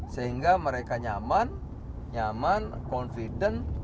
sehingga mereka nyaman nyaman confident